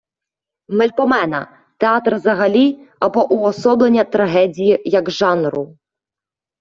Мельпомена - театр взагалі або уособлення трагедії як жанру